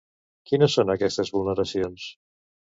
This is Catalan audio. Quines són aquestes vulneracions?